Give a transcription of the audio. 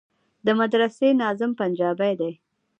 د مدرسې ناظم پنجابى دى.